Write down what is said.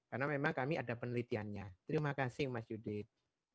karena memang kami ada penelitiannya terima kasih mas yudit